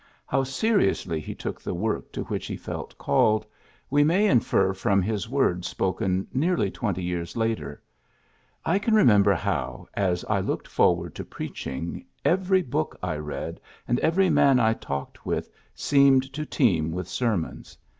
How seriously he took the work to which he felt called, we may infer from his words spoken nearly twenty years later :^^ I can remember how, as I looked forward to preaching, every book I read and every man I talked with seemed to teem with sermons.